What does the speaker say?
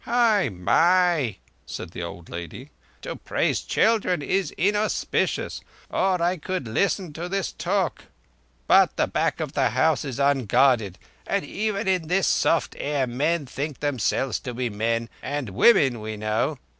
"Hai mai!" said the old lady. "To praise children is inauspicious, or I could listen to this talk. But the back of the house is unguarded, and even in this soft air men think themselves to be men, and women we know